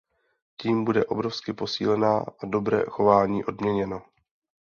Tím bude obrovsky posílena a dobré chování odměněno.